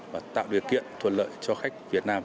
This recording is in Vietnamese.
và tạo điều kiện thuận lợi cho khách việt nam